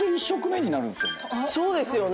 そうですよね！